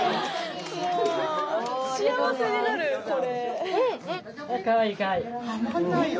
もう幸せになるこれ。